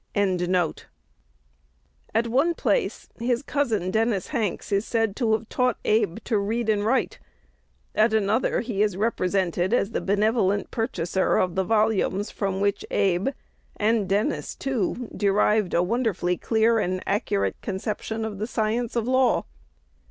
At one place, "his cousin, Dennis Hanks," is said to have taught Abe to read and write. At another, he is represented as the benevolent purchaser of the volumes from which Abe (and Dennis too) derived a wonderfully clear and accurate conception of the science of law.